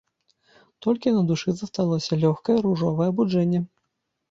Толькі на душы засталося лёгкае, ружовае абуджэнне.